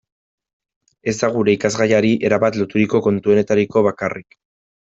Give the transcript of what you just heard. Ez da gure irakasgaiari erabat loturiko kontuetarako bakarrik.